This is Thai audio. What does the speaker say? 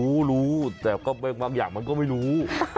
รู้รู้แต่ก็บางอย่างมันก็ไม่รู้